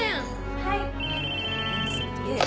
はい。